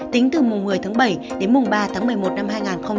tính từ mùng một mươi tháng bảy đến mùng ba tháng một mươi một năm hai nghìn hai mươi